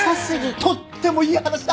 とってもいい話だ！